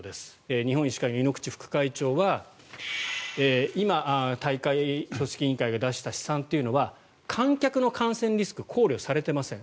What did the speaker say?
日本医師会の猪口副会長は大会組織委員会が出した試算は観客の感染リスクは考慮されていません。